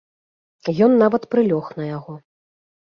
Ён нават прылёг на яго.